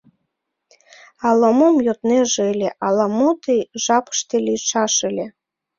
Ала-мом йоднеже ыле, ала-мо ты жапыште лийшаш ыле.